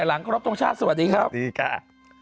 หลังครบทรงชาติสวัสดีครับสวัสดีค่ะ